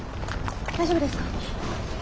大丈夫ですか？